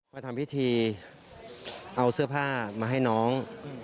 มาทำพิธีเอาเสื้อผ้ามาให้น้อง